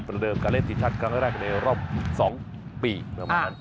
ประเดิมการเล่นทิศชัดกลางแรกในรอบ๒ปีเมื่อมานั้น